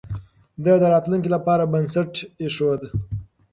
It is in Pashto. ده د راتلونکي لپاره بنسټ ايښود.